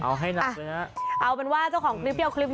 เอาให้หนักเลยนะ